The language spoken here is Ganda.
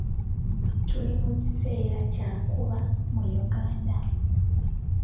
Tuli mu kiseera kya nkuba mu Uganda.